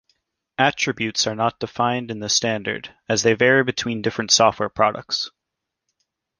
Attributes are not defined in the standard, as they vary between different software products.